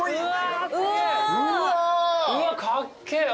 うわっかっけぇ。